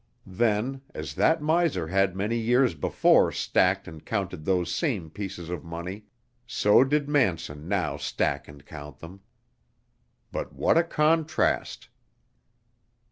Then, as that miser had many years before stacked and counted those same pieces of money, so did Manson now stack and count them. But what a contrast!